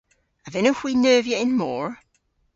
A vynnowgh hwi neuvya y'n mor?